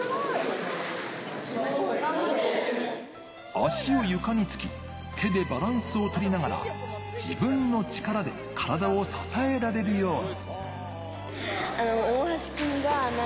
足を床につき、手でバランスをとりながら自分の力で体を支えられるように。